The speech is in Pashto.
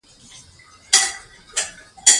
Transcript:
فاریاب د افغانستان د بشري فرهنګ برخه ده.